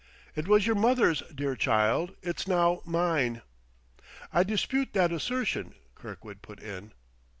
"It was your mother's, dear child. It's now mine." "I dispute that assertion," Kirkwood put in.